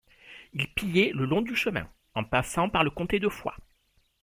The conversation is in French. Ils pillaient le long du chemin, en passant par le comté de Foix.